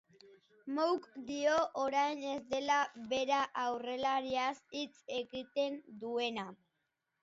Mouk dio orain ez dela bera aurrelariaz hitz egiten duena.